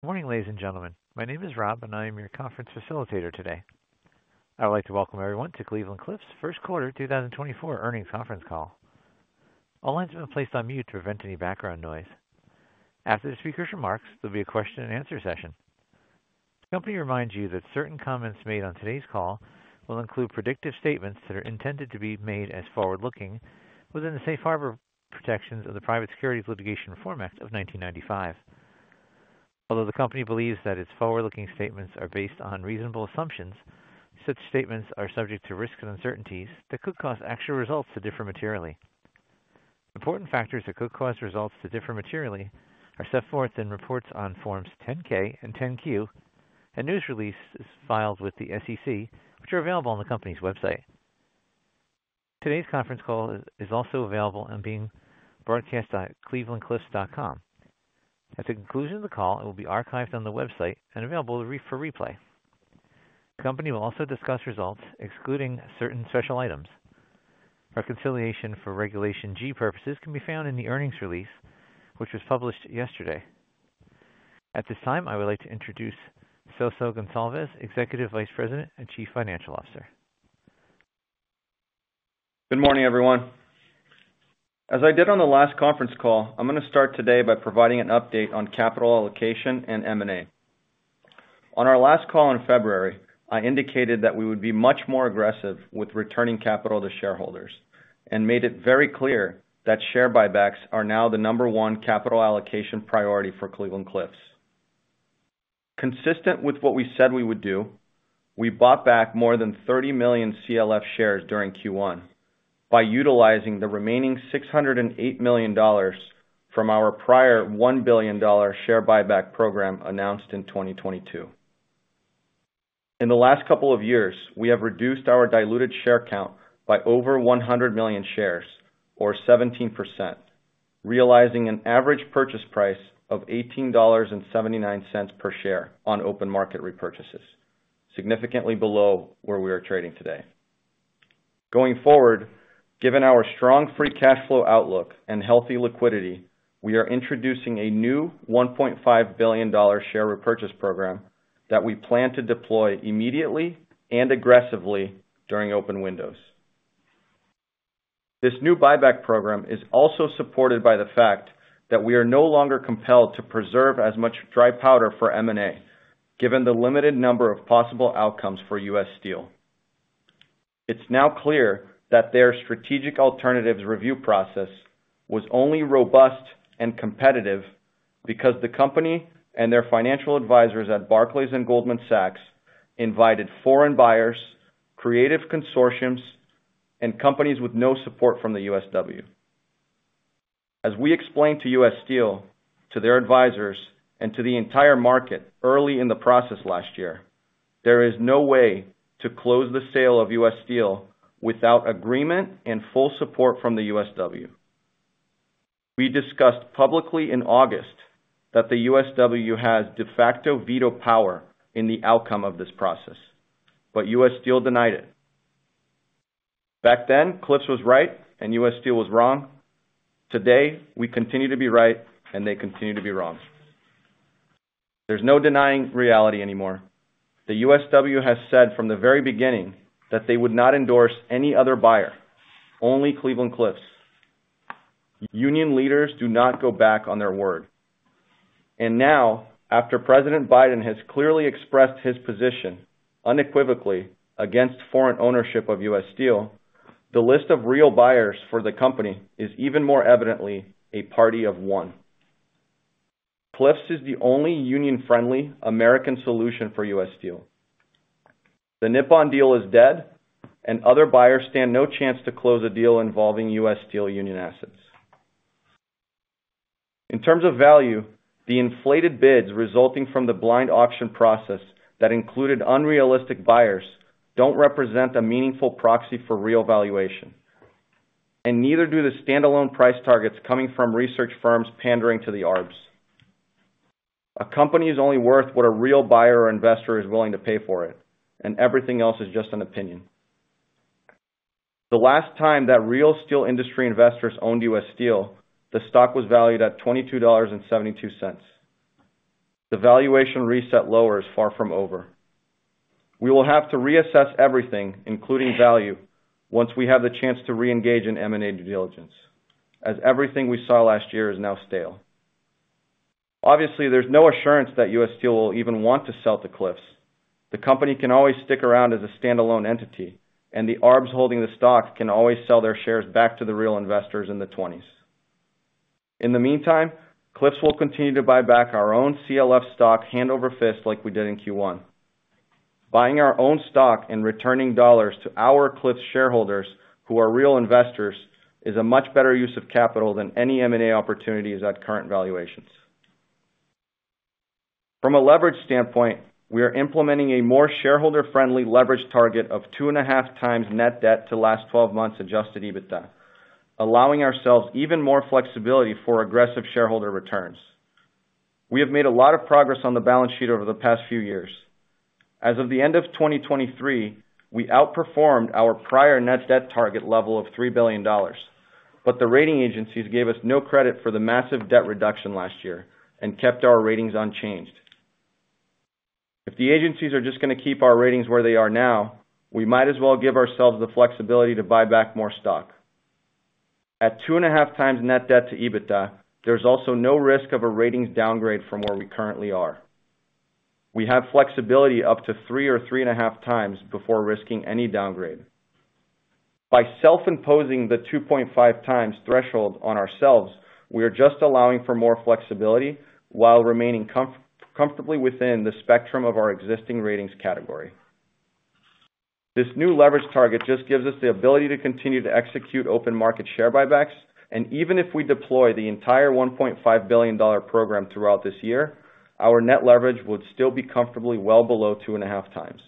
Good morning, ladies and gentlemen. My name is Rob, and I am your conference facilitator today. I would like to welcome everyone to Cleveland-Cliffs First Quarter 2024 Earnings Conference Call. All lines have been placed on mute to prevent any background noise. After the speaker's remarks, there'll be a question-and-answer session. The company reminds you that certain comments made on today's call will include predictive statements that are intended to be made as forward-looking within the Safe Harbor protections of the Private Securities Litigation Reform Act of 1995. Although the company believes that its forward-looking statements are based on reasonable assumptions, such statements are subject to risks and uncertainties that could cause actual results to differ materially. Important factors that could cause results to differ materially are set forth in reports on Forms 10-K and 10-Q, and news releases filed with the SEC, which are available on the company's website. Today's conference call is also available and being broadcast at clevelandcliffs.com. At the conclusion of the call, it will be archived on the website and available for replay. The company will also discuss results, excluding certain special items. Reconciliation for Regulation G purposes can be found in the earnings release, which was published yesterday. At this time, I would like to introduce Celso Goncalves, Executive Vice President and Chief Financial Officer. Good morning, everyone. As I did on the last conference call, I'm going to start today by providing an update on capital allocation and M&A. On our last call in February, I indicated that we would be much more aggressive with returning capital to shareholders and made it very clear that share buybacks are now the number one capital allocation priority for Cleveland-Cliffs. Consistent with what we said we would do, we bought back more than 30 million CLF shares during Q1 by utilizing the remaining $608 million from our prior $1 billion share buyback program announced in 2022. In the last couple of years, we have reduced our diluted share count by over 100 million shares, or 17%, realizing an average purchase price of $18.79 per share on open market repurchases, significantly below where we are trading today. Going forward, given our strong free cash flow outlook and healthy liquidity, we are introducing a new $1.5 billion share repurchase program that we plan to deploy immediately and aggressively during open windows. This new buyback program is also supported by the fact that we are no longer compelled to preserve as much dry powder for M&A, given the limited number of possible outcomes for U.S. Steel. It's now clear that their Strategic Alternatives Review process was only robust and competitive because the company and their financial advisors at Barclays and Goldman Sachs invited foreign buyers, creative consortiums, and companies with no support from the USW. As we explained to U.S. Steel, to their advisors, and to the entire market early in the process last year, there is no way to close the sale of U.S. Steel without agreement and full support from the USW. We discussed publicly in August that the USW has de facto veto power in the outcome of this process, but U.S. Steel denied it. Back then, Cliffs was right, and U.S. Steel was wrong. Today, we continue to be right, and they continue to be wrong. There's no denying reality anymore. The USW has said from the very beginning that they would not endorse any other buyer, only Cleveland-Cliffs. Union leaders do not go back on their word. Now, after President Biden has clearly expressed his position unequivocally against foreign ownership of U.S. Steel, the list of real buyers for the company is even more evidently a party of one. Cliffs is the only union-friendly American solution for U.S. Steel. The Nippon deal is dead, and other buyers stand no chance to close a deal involving U.S. Steel union assets. In terms of value, the inflated bids resulting from the blind auction process that included unrealistic buyers don't represent a meaningful proxy for real valuation, and neither do the standalone price targets coming from research firms pandering to the arbs. A company is only worth what a real buyer or investor is willing to pay for it, and everything else is just an opinion. The last time that real steel industry investors owned U.S. Steel, the stock was valued at $22.72. The valuation reset lower is far from over. We will have to reassess everything, including value, once we have the chance to re-engage in M&A due diligence, as everything we saw last year is now stale. Obviously, there's no assurance that U.S. Steel will even want to sell to Cliffs. The company can always stick around as a standalone entity, and the arbs holding the stock can always sell their shares back to the real investors in the '20s. In the meantime, Cliffs will continue to buy back our own CLF stock hand over fist like we did in Q1. Buying our own stock and returning dollars to our Cliffs shareholders who are real investors is a much better use of capital than any M&A opportunities at current valuations. From a leverage standpoint, we are implementing a more shareholder-friendly leverage target of 2.5 times net debt to last 12 months adjusted EBITDA, allowing ourselves even more flexibility for aggressive shareholder returns. We have made a lot of progress on the balance sheet over the past few years. As of the end of 2023, we outperformed our prior net debt target level of $3 billion, but the rating agencies gave us no credit for the massive debt reduction last year and kept our ratings unchanged. If the agencies are just going to keep our ratings where they are now, we might as well give ourselves the flexibility to buy back more stock. At 2.5 times net debt to EBITDA, there's also no risk of a ratings downgrade from where we currently are. We have flexibility up to 3 or 3.5 times before risking any downgrade. By self-imposing the 2.5 times threshold on ourselves, we are just allowing for more flexibility while remaining comfortably within the spectrum of our existing ratings category. This new leverage target just gives us the ability to continue to execute open market share buybacks, and even if we deploy the entire $1.5 billion program throughout this year, our net leverage would still be comfortably well below 2.5 times.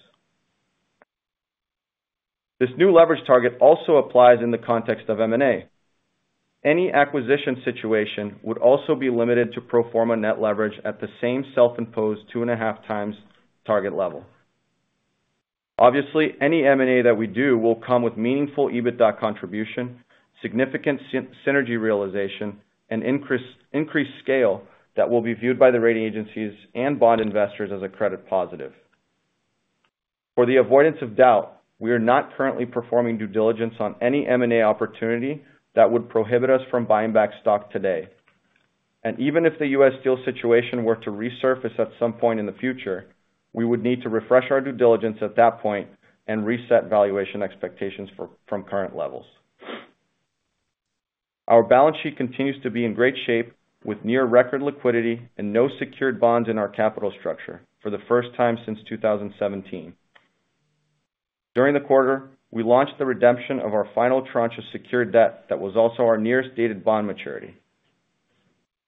This new leverage target also applies in the context of M&A. Any acquisition situation would also be limited to pro forma net leverage at the same self-imposed 2.5 times target level. Obviously, any M&A that we do will come with meaningful EBITDA contribution, significant synergy realization, and increased scale that will be viewed by the rating agencies and bond investors as a credit positive. For the avoidance of doubt, we are not currently performing due diligence on any M&A opportunity that would prohibit us from buying back stock today. Even if the U.S. Steel situation were to resurface at some point in the future, we would need to refresh our due diligence at that point and reset valuation expectations from current levels. Our balance sheet continues to be in great shape with near-record liquidity and no secured bonds in our capital structure for the first time since 2017. During the quarter, we launched the redemption of our final tranche of secured debt that was also our nearest dated bond maturity.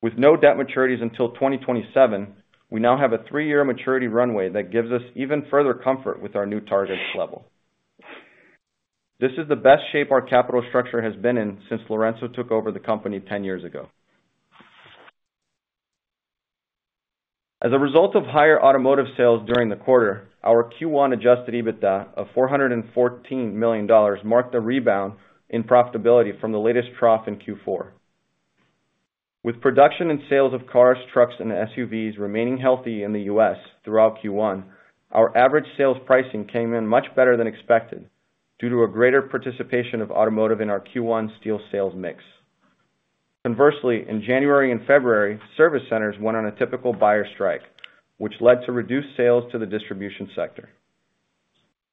With no debt maturities until 2027, we now have a three-year maturity runway that gives us even further comfort with our new target level. This is the best shape our capital structure has been in since Lourenco took over the company 10 years ago. As a result of higher automotive sales during the quarter, our Q1 adjusted EBITDA of $414 million marked a rebound in profitability from the latest trough in Q4. With production and sales of cars, trucks, and SUVs remaining healthy in the U.S. throughout Q1, our average sales pricing came in much better than expected due to a greater participation of automotive in our Q1 steel sales mix. Conversely, in January and February, service centers went on a typical buyer strike, which led to reduced sales to the distribution sector.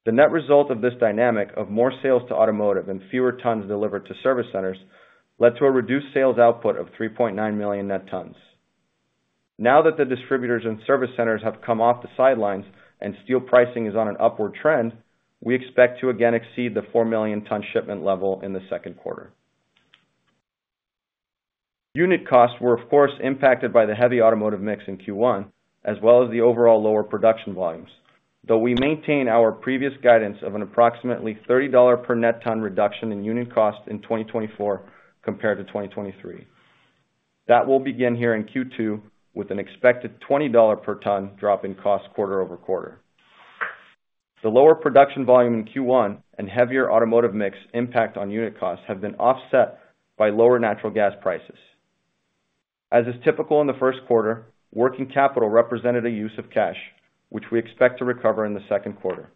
The net result of this dynamic of more sales to automotive and fewer tons delivered to service centers led to a reduced sales output of 3.9 million net tons. Now that the distributors and service centers have come off the sidelines and steel pricing is on an upward trend, we expect to again exceed the 4 million ton shipment level in the second quarter. Unit costs were, of course, impacted by the heavy automotive mix in Q1 as well as the overall lower production volumes, though we maintain our previous guidance of an approximately $30 per net ton reduction in unit cost in 2024 compared to 2023. That will begin here in Q2 with an expected $20 per ton drop in cost quarter-over-quarter. The lower production volume in Q1 and heavier automotive mix impact on unit costs have been offset by lower natural gas prices. As is typical in the first quarter, working capital represented a use of cash, which we expect to recover in the second quarter.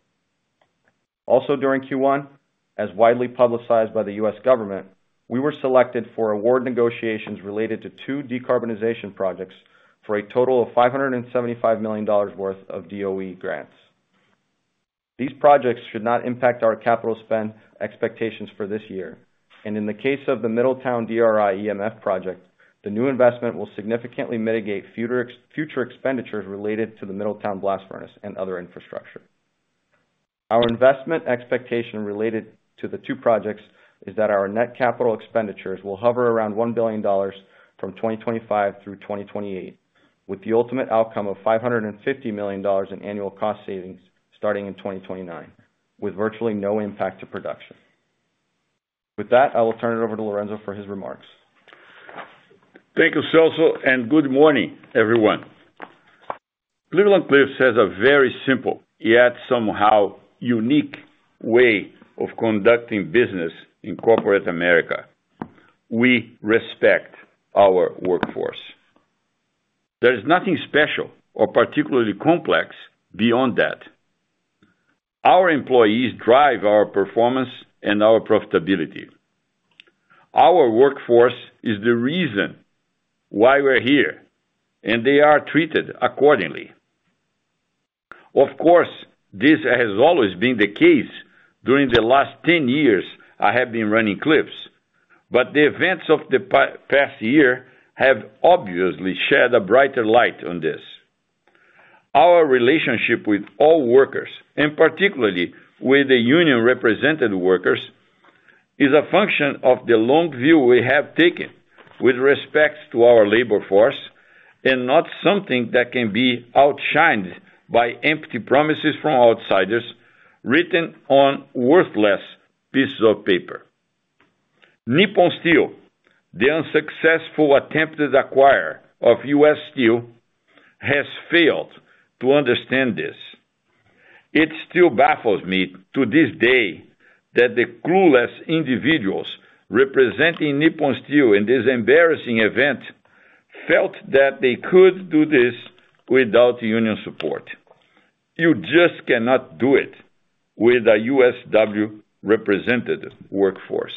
Also during Q1, as widely publicized by the U.S. government, we were selected for award negotiations related to two decarbonization projects for a total of $575 million worth of DOE grants. These projects should not impact our capital spend expectations for this year, and in the case of the Middletown DRI EMF project, the new investment will significantly mitigate future expenditures related to the Middletown blast furnace and other infrastructure. Our investment expectation related to the two projects is that our net capital expenditures will hover around $1 billion from 2025 through 2028, with the ultimate outcome of $550 million in annual cost savings starting in 2029 with virtually no impact to production. With that, I will turn it over to Lourenco for his remarks. Thank you, Celso, and good morning, everyone. Cleveland-Cliffs has a very simple yet somehow unique way of conducting business in corporate America. We respect our workforce. There is nothing special or particularly complex beyond that. Our employees drive our performance and our profitability. Our workforce is the reason why we're here, and they are treated accordingly. Of course, this has always been the case during the last 10 years I have been running Cliffs, but the events of the past year have obviously shed a brighter light on this. Our relationship with all workers, and particularly with the union-represented workers, is a function of the long view we have taken with respect to our labor force and not something that can be outshined by empty promises from outsiders written on worthless pieces of paper. Nippon Steel, the unsuccessful attempted acquirer of U.S. Steel, has failed to understand this. It still baffles me to this day that the clueless individuals representing Nippon Steel in this embarrassing event felt that they could do this without union support. You just cannot do it with a USW-represented workforce.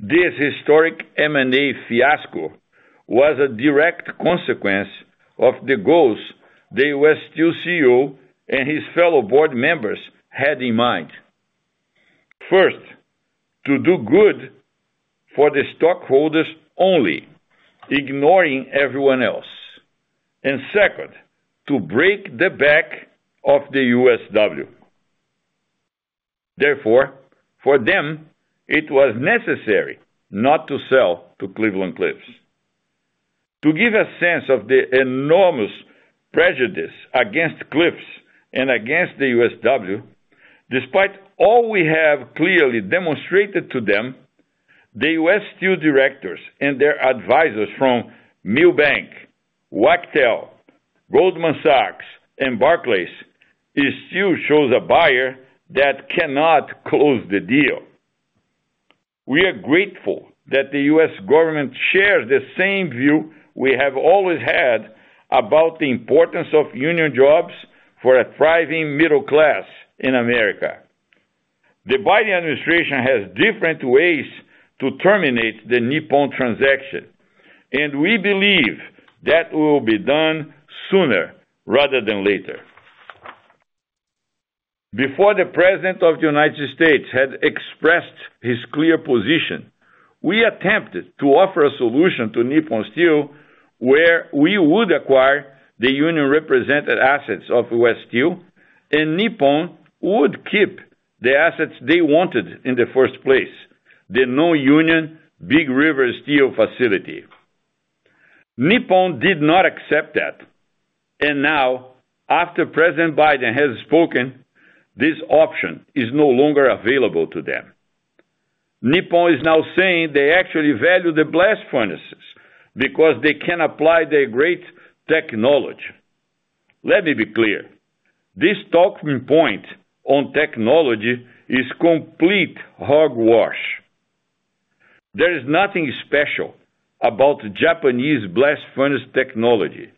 This historic M&A fiasco was a direct consequence of the goals the U.S. Steel CEO and his fellow board members had in mind. First, to do good for the stockholders only, ignoring everyone else. And second, to break the back of the USW. Therefore, for them, it was necessary not to sell to Cleveland-Cliffs. To give a sense of the enormous prejudice against Cliffs and against the USW, despite all we have clearly demonstrated to them, the U.S. Steel directors and their advisors from Milbank, Wachtell, Goldman Sachs, and Barclays still show a buyer that cannot close the deal. We are grateful that the U.S. government shares the same view we have always had about the importance of union jobs for a thriving middle class in America. The Biden administration has different ways to terminate the Nippon transaction, and we believe that will be done sooner rather than later. Before the President of the United States had expressed his clear position, we attempted to offer a solution to Nippon Steel where we would acquire the union-represented assets of U.S. Steel, and Nippon would keep the assets they wanted in the first place, the no-union Big River Steel facility. Nippon did not accept that, and now, after President Biden has spoken, this option is no longer available to them. Nippon is now saying they actually value the blast furnaces because they can apply their great technology. Let me be clear. This talking point on technology is complete hogwash. There is nothing special about Japanese blast furnace technology.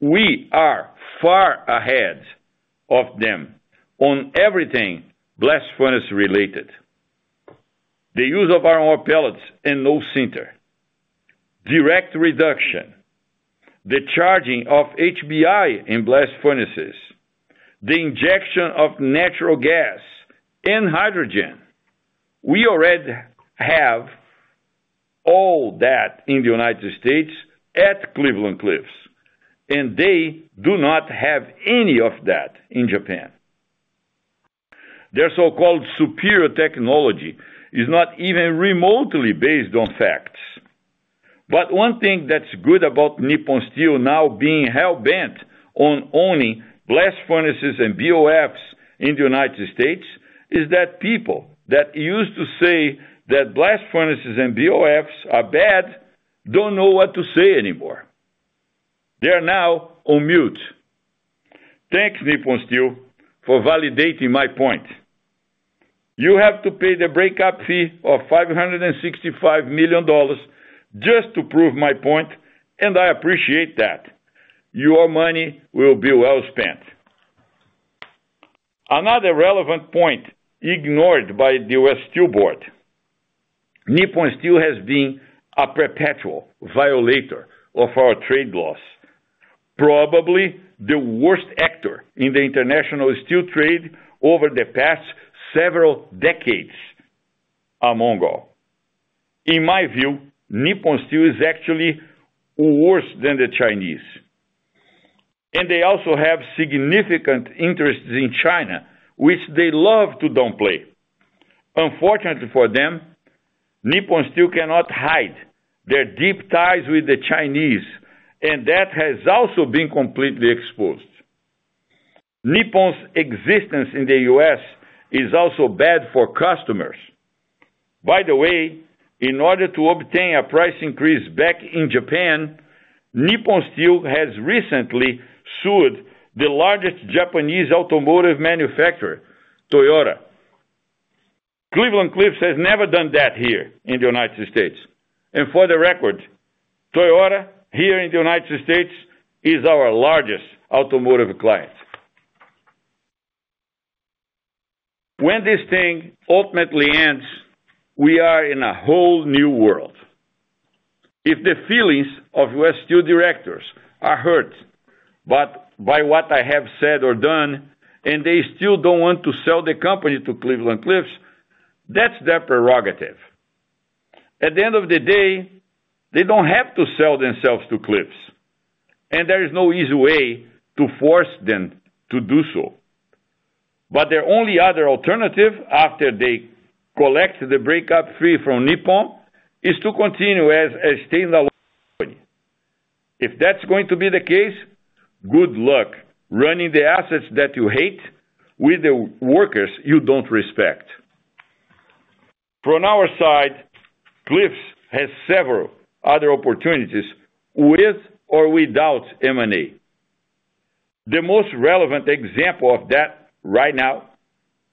We are far ahead of them on everything blast furnace related. The use of our own pellets and no sinter. Direct reduction. The charging of HBI in blast furnaces. The injection of natural gas and hydrogen. We already have all that in the United States at Cleveland-Cliffs, and they do not have any of that in Japan. Their so-called superior technology is not even remotely based on facts. But one thing that's good about Nippon Steel now being hellbent on owning blast furnaces and BOFs in the United States is that people that used to say that blast furnaces and BOFs are bad don't know what to say anymore. They are now on mute. Thanks, Nippon Steel, for validating my point. You have to pay the breakup fee of $565 million just to prove my point, and I appreciate that. Your money will be well spent. Another relevant point ignored by the U.S. Steel Board. Nippon Steel has been a perpetual violator of our trade laws, probably the worst actor in the international steel trade over the past several decades among all. In my view, Nippon Steel is actually worse than the Chinese. And they also have significant interests in China, which they love to downplay. Unfortunately for them, Nippon Steel cannot hide their deep ties with the Chinese, and that has also been completely exposed. Nippon's existence in the U.S. is also bad for customers. By the way, in order to obtain a price increase back in Japan, Nippon Steel has recently sued the largest Japanese automotive manufacturer, Toyota. Cleveland-Cliffs has never done that here in the United States. And for the record, Toyota here in the United States is our largest automotive client. When this thing ultimately ends, we are in a whole new world. If the feelings of U.S. Steel directors are hurt by what I have said or done, and they still don't want to sell the company to Cleveland-Cliffs, that's their prerogative. At the end of the day, they don't have to sell themselves to Cliffs, and there is no easy way to force them to do so. But their only other alternative after they collect the breakup fee from Nippon is to continue as a standalone company. If that's going to be the case, good luck running the assets that you hate with the workers you don't respect. From our side, Cliffs has several other opportunities with or without M&A. The most relevant example of that right now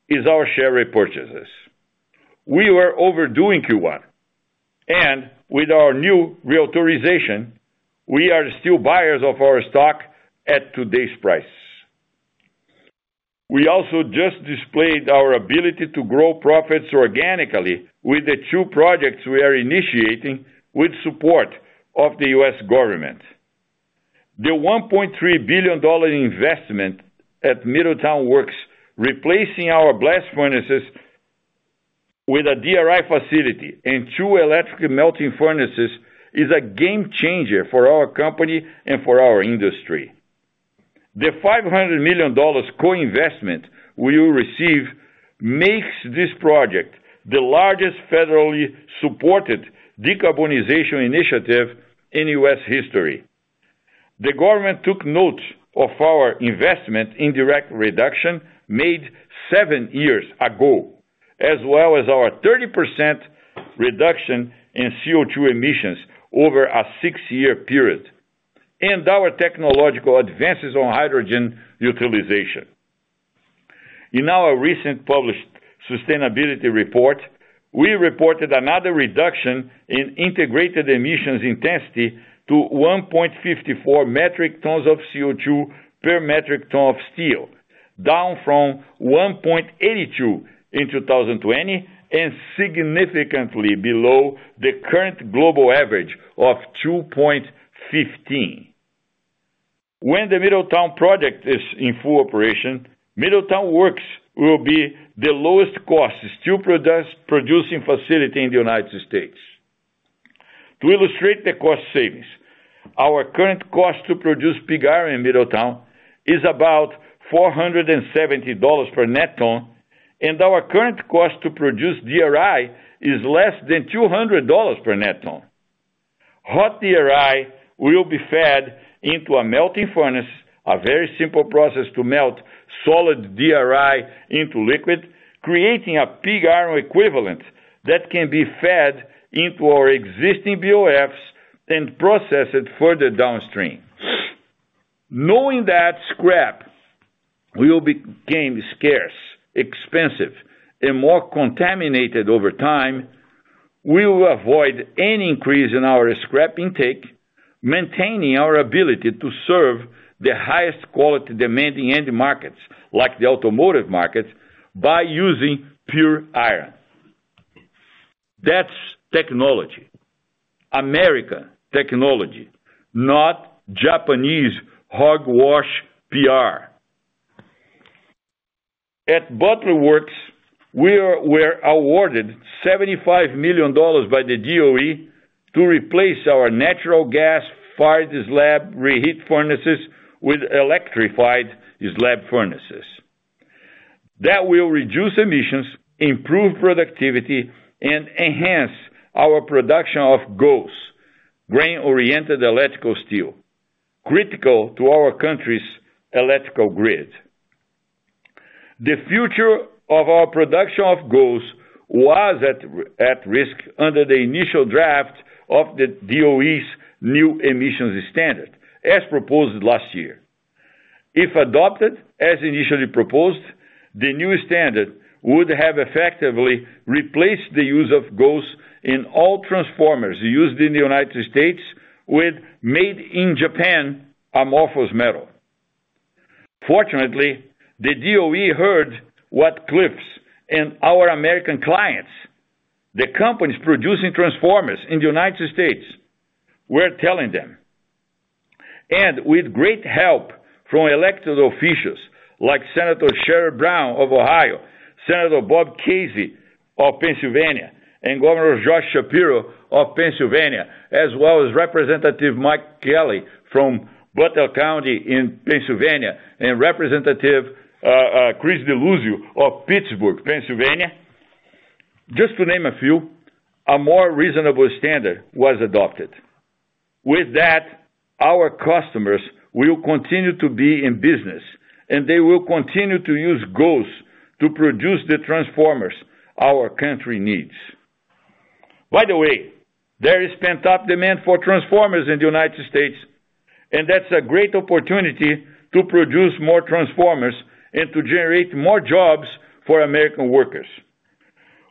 is our share repurchases. We were overdoing Q1, and with our new reauthorization, we are still buyers of our stock at today's price. We also just displayed our ability to grow profits organically with the two projects we are initiating with support of the U.S. government. The $1.3 billion investment at Middletown Works replacing our blast furnaces with a DRI facility and two electric melting furnaces is a game changer for our company and for our industry. The $500 million co-investment we will receive makes this project the largest federally supported decarbonization initiative in U.S. history. The government took note of our investment in direct reduction made seven years ago, as well as our 30% reduction in CO2 emissions over a six-year period, and our technological advances on hydrogen utilization. In our recent published sustainability report, we reported another reduction in integrated emissions intensity to 1.54 metric tons of CO2 per metric ton of steel, down from 1.82 in 2020 and significantly below the current global average of 2.15. When the Middletown project is in full operation, Middletown Works will be the lowest-cost steel producing facility in the United States. To illustrate the cost savings, our current cost to produce pig iron in Middletown is about $470 per net ton, and our current cost to produce DRI is less than $200 per net ton. Hot DRI will be fed into a melting furnace, a very simple process to melt solid DRI into liquid, creating a pig iron equivalent that can be fed into our existing BOFs and processed further downstream. Knowing that scrap became scarce, expensive, and more contaminated over time, we will avoid any increase in our scrap intake, maintaining our ability to serve the highest quality demanding end markets like the automotive markets by using pure iron. That's technology. American technology, not Japanese hogwash PR. At Butler Works, we were awarded $75 million by the DOE to replace our natural gas fired slab reheat furnaces with electrified slab furnaces. That will reduce emissions, improve productivity, and enhance our production of GOES, grain-oriented electrical steel, critical to our country's electrical grid. The future of our production of GOES was at risk under the initial draft of the DOE's new emissions standard, as proposed last year. If adopted, as initially proposed, the new standard would have effectively replaced the use of GOES in all transformers used in the United States with made-in-Japan amorphous metal. Fortunately, the DOE heard what Cliffs and our American clients, the companies producing transformers in the United States, were telling them. With great help from elected officials like Senator Sherrod Brown of Ohio, Senator Bob Casey of Pennsylvania, and Governor Josh Shapiro of Pennsylvania, as well as Representative Mike Kelly from Butler County in Pennsylvania and Representative Chris Deluzio of Pittsburgh, Pennsylvania, just to name a few, a more reasonable standard was adopted. With that, our customers will continue to be in business, and they will continue to use GOES to produce the transformers our country needs. By the way, there is pent-up demand for transformers in the United States, and that's a great opportunity to produce more transformers and to generate more jobs for American workers.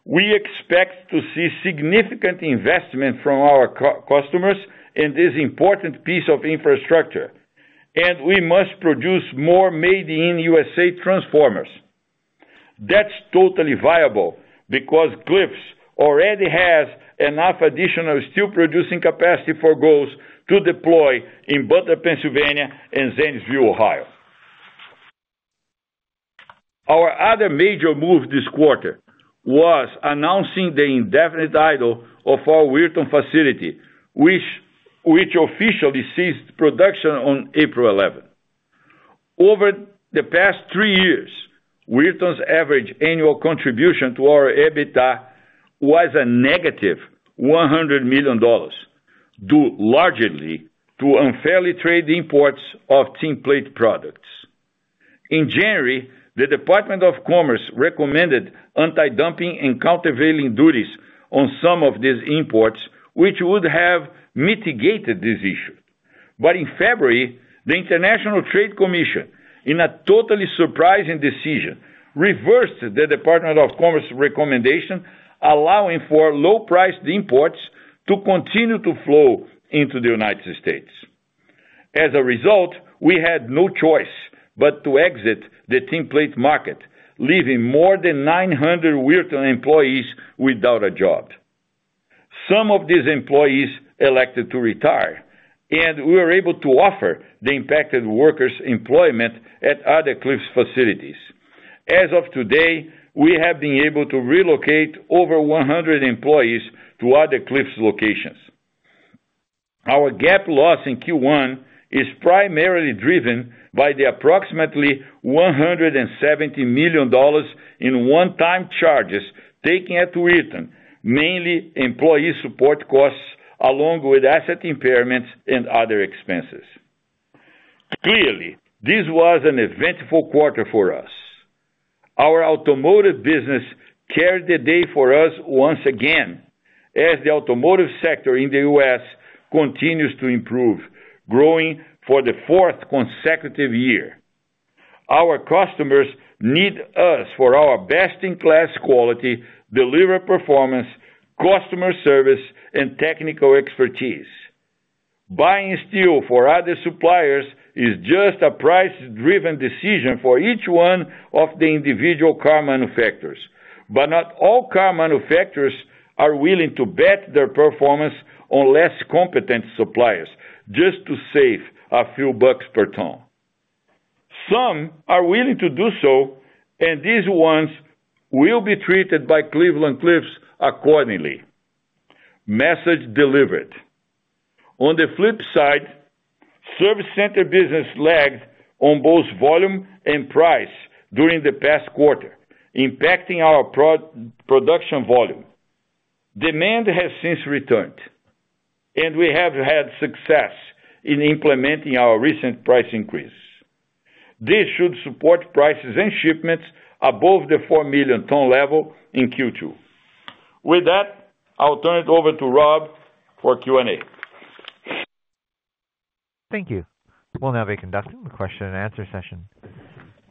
We expect to see significant investment from our customers in this important piece of infrastructure, and we must produce more made-in-USA transformers. That's totally viable because Cliffs already has enough additional steel producing capacity for GOES to deploy in Butler, Pennsylvania, and Zanesville, Ohio. Our other major move this quarter was announcing the indefinite idle of our Weirton facility, which officially ceased production on April 11. Over the past three years, Weirton's average annual contribution to our EBITDA was a negative $100 million, largely due to unfairly traded imports of tin plate products. In January, the Department of Commerce recommended anti-dumping and countervailing duties on some of these imports, which would have mitigated this issue. But in February, the International Trade Commission, in a totally surprising decision, reversed the Department of Commerce recommendation, allowing for low-priced imports to continue to flow into the United States. As a result, we had no choice but to exit the tin plate market, leaving more than 900 Weirton employees without a job. Some of these employees elected to retire, and we were able to offer the impacted workers employment at other Cliffs facilities. As of today, we have been able to relocate over 100 employees to other Cliffs locations. Our GAAP loss in Q1 is primarily driven by the approximately $170 million in one-time charges taken at Weirton, mainly employee support costs along with asset impairments and other expenses. Clearly, this was an eventful quarter for us. Our automotive business carried the day for us once again, as the automotive sector in the U.S. continues to improve, growing for the fourth consecutive year. Our customers need us for our best-in-class quality, delivered performance, customer service, and technical expertise. Buying steel for other suppliers is just a price-driven decision for each one of the individual car manufacturers, but not all car manufacturers are willing to bet their performance on less competent suppliers just to save a few bucks per ton. Some are willing to do so, and these ones will be treated by Cleveland-Cliffs accordingly. Message delivered. On the flip side, service center business lagged on both volume and price during the past quarter, impacting our production volume. Demand has since returned, and we have had success in implementing our recent price increases. This should support prices and shipments above the 4 million ton level in Q2. With that, I'll turn it over to Rob for Q&A. Thank you. We'll now be conducting the question-and-answer session.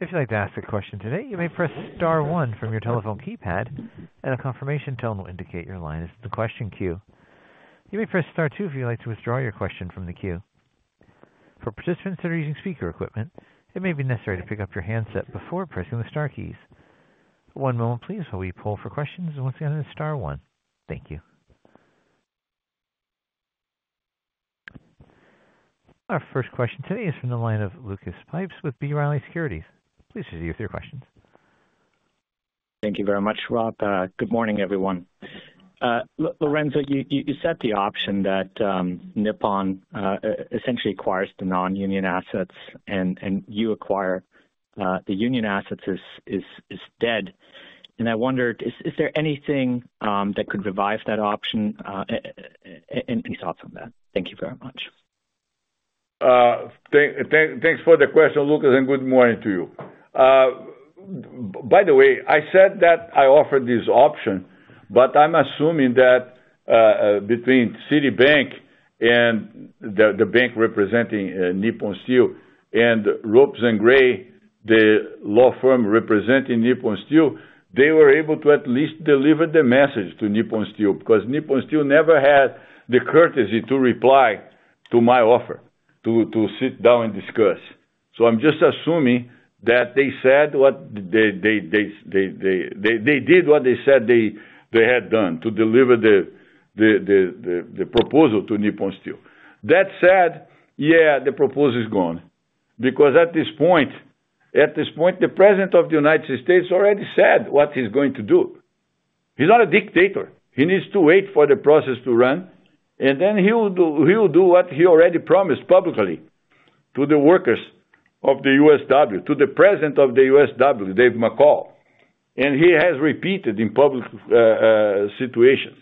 If you'd like to ask a question today, you may press star 1 from your telephone keypad, and a confirmation tone will indicate your line is the question queue. You may press star 2 if you'd like to withdraw your question from the queue. For participants that are using speaker equipment, it may be necessary to pick up your handset before pressing the star keys. One moment, please, while we pull for questions, and once again, it's star 1. Thank you. Our first question today is from the line of Lucas Pipes with B. Riley Securities. Please proceed with your questions. Thank you very much, Rob. Good morning, everyone. Lourenco, you set the option that Nippon essentially acquires the non-union assets, and you acquire the union assets is dead. I wondered, is there anything that could revive that option? Any thoughts on that? Thank you very much. Thanks for the question, Lucas, and good morning to you. By the way, I said that I offered this option, but I'm assuming that between Citibank and the bank representing Nippon Steel and Ropes & Gray, the law firm representing Nippon Steel, they were able to at least deliver the message to Nippon Steel because Nippon Steel never had the courtesy to reply to my offer, to sit down and discuss. So I'm just assuming that they said what they did what they said they had done, to deliver the proposal to Nippon Steel. That said, yeah, the proposal is gone because at this point, the President of the United States already said what he's going to do. He's not a dictator. He needs to wait for the process to run, and then he'll do what he already promised publicly to the workers of the USW, to the President of the USW, Dave McCall. He has repeated in public situations.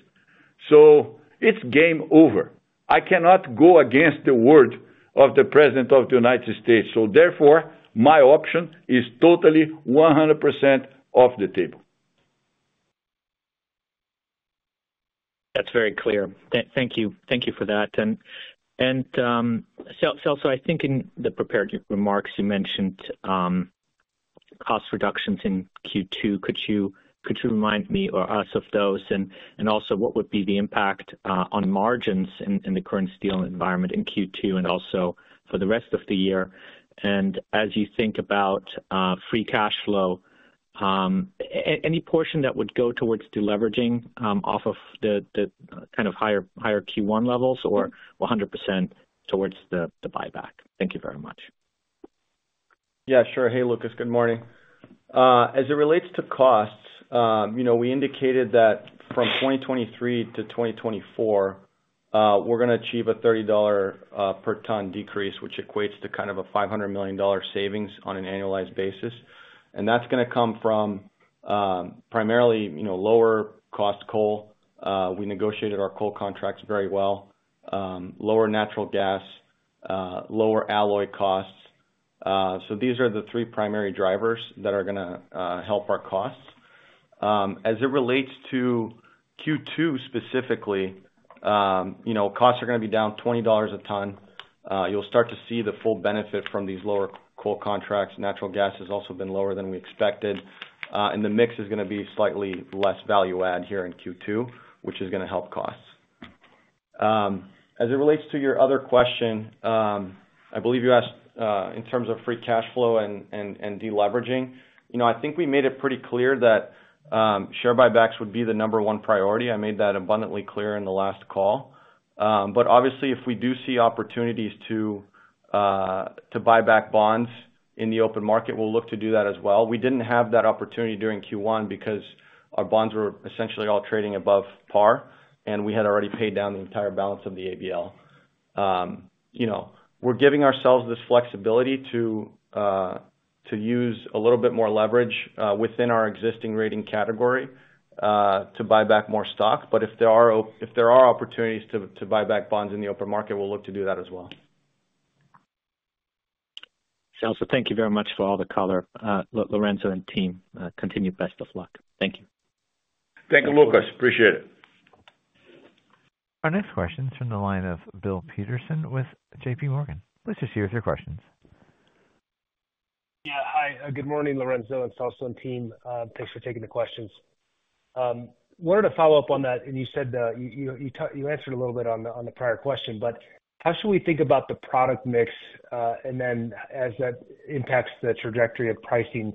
It's game over. I cannot go against the word of the President of the United States. Therefore, my option is totally 100% off the table. That's very clear. Thank you for that. Celso, I think in the prepared remarks, you mentioned cost reductions in Q2. Could you remind me or us of those? Also, what would be the impact on margins in the current steel environment in Q2 and also for the rest of the year? As you think about free cash flow, any portion that would go towards deleveraging off of the kind of higher Q1 levels or 100% towards the buyback? Thank you very much. Yeah, sure. Hey, Lucas. Good morning. As it relates to costs, we indicated that from 2023 to 2024, we're going to achieve a $30 per ton decrease, which equates to kind of a $500 million savings on an annualized basis. And that's going to come from primarily lower-cost coal. We negotiated our coal contracts very well. Lower natural gas. Lower alloy costs. So these are the three primary drivers that are going to help our costs. As it relates to Q2 specifically, costs are going to be down $20 a ton. You'll start to see the full benefit from these lower coal contracts. Natural gas has also been lower than we expected. And the mix is going to be slightly less value-add here in Q2, which is going to help costs. As it relates to your other question, I believe you asked in terms of free cash flow and deleveraging. I think we made it pretty clear that share buybacks would be the number one priority. I made that abundantly clear in the last call. But obviously, if we do see opportunities to buy back bonds in the open market, we'll look to do that as well. We didn't have that opportunity during Q1 because our bonds were essentially all trading above par, and we had already paid down the entire balance of the ABL. We're giving ourselves this flexibility to use a little bit more leverage within our existing rating category to buy back more stock. But if there are opportunities to buy back bonds in the open market, we'll look to do that as well. Celso, thank you very much for all the color. Lourenco and team, continue best of luck. Thank you. Thank you, Lucas. Appreciate it. Our next question is from the line of Bill Peterson with J.P. Morgan. Please proceed with your questions. Yeah. Hi. Good morning, Lourenco and Celso and team. Thanks for taking the questions. Wanted to follow up on that. You said you answered a little bit on the prior question, but how should we think about the product mix and then as that impacts the trajectory of pricing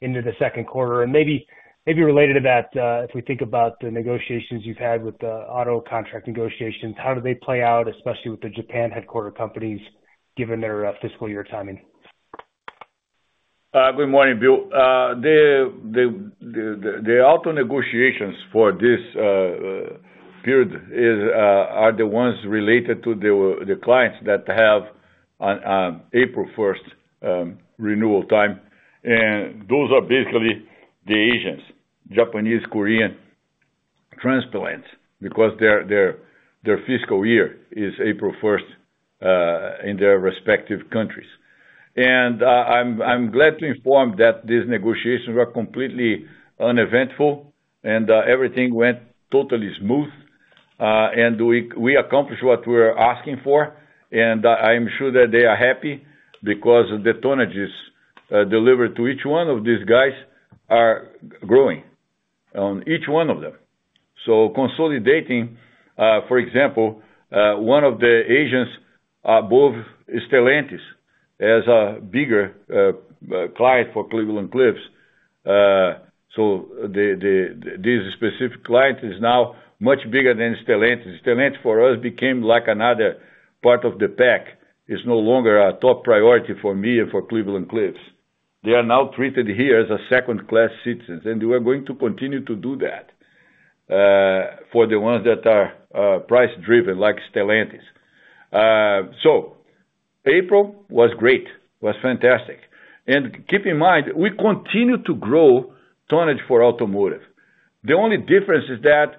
into the second quarter? Maybe related to that, if we think about the negotiations you've had with the auto contract negotiations, how do they play out, especially with the Japan-headquartered companies, given their fiscal year timing? Good morning, Bill. The auto negotiations for this period are the ones related to the clients that have April 1st renewal time. Those are basically the Asians, Japanese, Korean, transplants, because their fiscal year is April 1st in their respective countries. I'm glad to inform that these negotiations were completely uneventful, and everything went totally smooth. We accomplished what we were asking for. I'm sure that they are happy because the tonnages delivered to each one of these guys are growing on each one of them. Consolidating, for example, one of the Asians above Stellantis as a bigger client for Cleveland-Cliffs. This specific client is now much bigger than Stellantis. Stellantis, for us, became like another part of the pack. It's no longer a top priority for me and for Cleveland-Cliffs. They are now treated here as second-class citizens. We are going to continue to do that for the ones that are price-driven, like Stellantis. April was great. It was fantastic. Keep in mind, we continue to grow tonnage for automotive. The only difference is that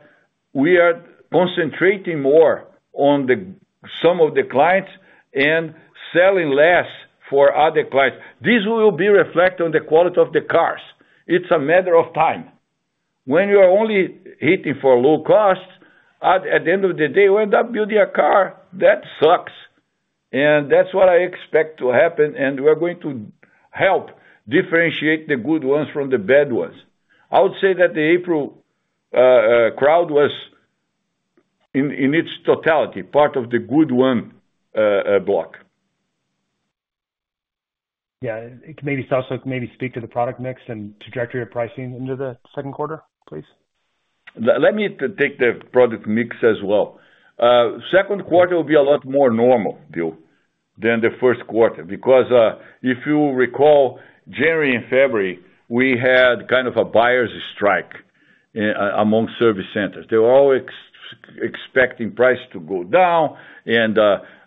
we are concentrating more on some of the clients and selling less for other clients. This will be reflected on the quality of the cars. It's a matter of time. When you are only hitting for low costs, at the end of the day, you end up building a car that sucks. That's what I expect to happen. We are going to help differentiate the good ones from the bad ones. I would say that the April crowd was, in its totality, part of the good one block. Yeah. Celso, maybe speak to the product mix and trajectory of pricing into the second quarter, please. Let me take the product mix as well. Second quarter will be a lot more normal, Bill, than the first quarter because if you recall, January and February, we had kind of a buyer's strike among service centers. They were all expecting prices to go down and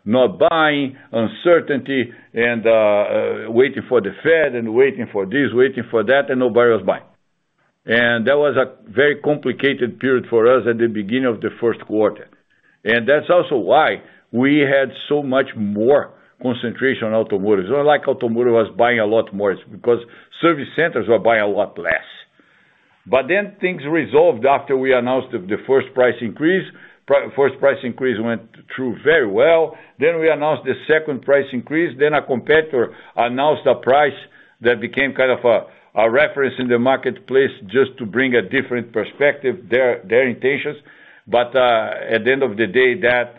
not buying, uncertainty, and waiting for the Fed and waiting for this, waiting for that, and nobody was buying. And that was a very complicated period for us at the beginning of the first quarter. And that's also why we had so much more concentration on automotive. It's not like automotive was buying a lot more because service centers were buying a lot less. But then things resolved after we announced the first price increase. First price increase went through very well. Then we announced the second price increase. Then a competitor announced a price that became kind of a reference in the marketplace just to bring a different perspective, their intentions. But at the end of the day, that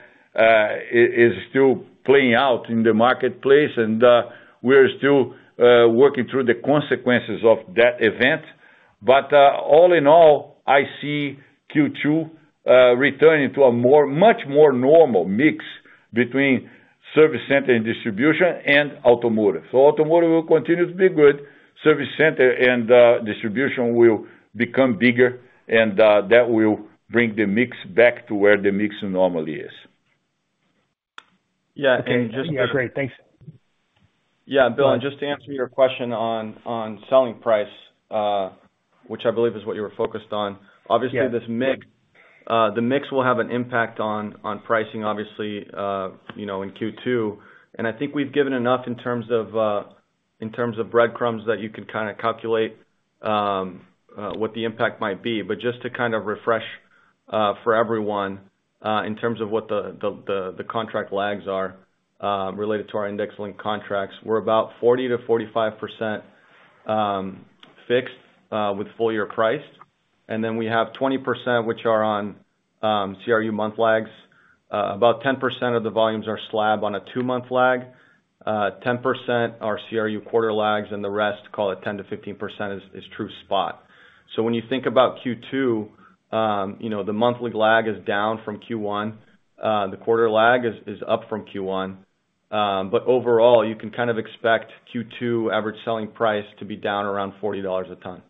is still playing out in the marketplace, and we are still working through the consequences of that event. But all in all, I see Q2 returning to a much more normal mix between service center and distribution and automotive. So automotive will continue to be good. Service center and distribution will become bigger, and that will bring the mix back to where the mix normally is. Yeah. And just. Yeah, great. Thanks. Yeah, Bill, and just to answer your question on selling price, which I believe is what you were focused on, obviously, the mix will have an impact on pricing, obviously, in Q2. And I think we've given enough in terms of breadcrumbs that you can kind of calculate what the impact might be. But just to kind of refresh for everyone in terms of what the contract lags are related to our index-linked contracts, we're about 40%-45% fixed with full-year priced. And then we have 20%, which are on CRU month lags. About 10% of the volumes are slab on a 2-month lag. 10% are CRU quarter lags, and the rest, call it 10%-15%, is true spot. So when you think about Q2, the monthly lag is down from Q1. The quarter lag is up from Q1. But overall, you can kind of expect Q2 average selling price to be down around $40 a ton.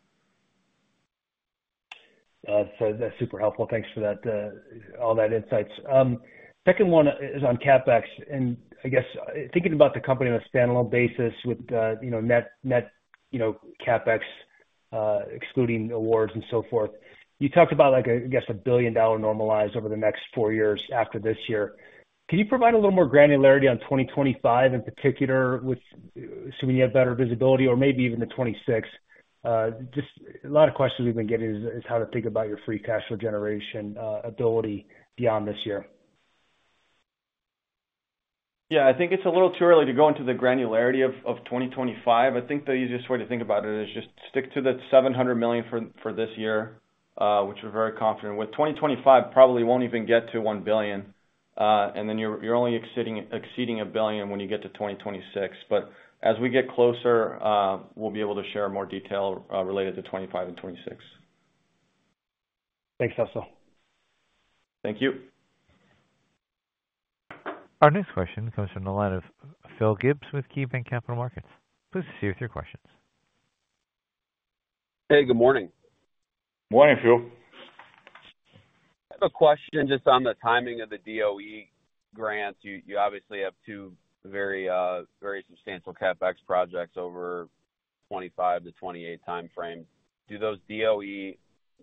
So that's super helpful. Thanks for all that insights. Second one is on CapEx. And I guess thinking about the company on a standalone basis with net CapEx excluding awards and so forth, you talked about, I guess, a $1 billion normalized over the next four years after this year. Can you provide a little more granularity on 2025 in particular, assuming you have better visibility, or maybe even the 2026? Just a lot of questions we've been getting is how to think about your free cash flow generation ability beyond this year. Yeah, I think it's a little too early to go into the granularity of 2025. I think the easiest way to think about it is just stick to the $700 million for this year, which we're very confident with. 2025 probably won't even get to $1 billion. And then you're only exceeding $1 billion when you get to 2026. But as we get closer, we'll be able to share more detail related to 2025 and 2026. Thanks, Celso. Thank you. Our next question comes from the line of Phil Gibbs with KeyBanc Capital Markets. Please proceed with your questions. Hey, good morning. Morning, Phil. I have a question just on the timing of the DOE grants. You obviously have two very substantial CapEx projects over 2025 to 2028 timeframes. Do those DOE